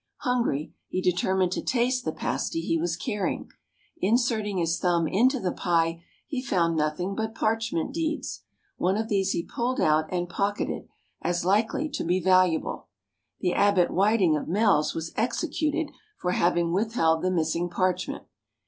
Hungry, he determined to taste the pasty he was carrying. Inserting his thumb into the pie, he found nothing but parchment deeds. One of these he pulled out and pocketed, as likely to be valuable. The Abbot Whiting of Mells was executed for having withheld the missing parchment.